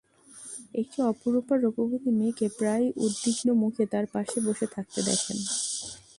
একটি অপরূপা রূপবতী মেয়েকে প্রায়ই উদ্বিগ্ন মুখে তাঁর পাশে বসে থাকতে দেখেন।